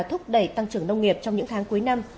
thúc đẩy tăng trưởng nông nghiệp trong những tháng cuối năm